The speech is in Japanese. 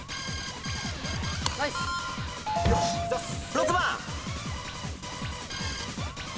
６番。